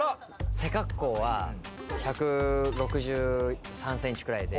背格好は１６３センチくらいで